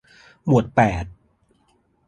หมวดแปด